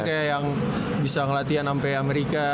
kayak yang bisa ngelatihan sampai amerika